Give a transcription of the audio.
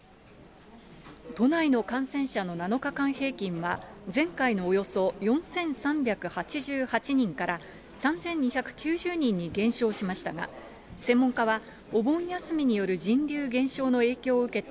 都内の感染者の７日間平均は、前回のおよそ４３８８人から、３２９０人に減少しましたが、専門家はお盆休みによる人流減少の影響を受けて、